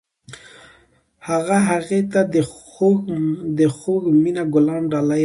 هغه هغې ته د خوږ مینه ګلان ډالۍ هم کړل.